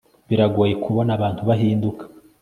biragoye kubona abantu bahinduka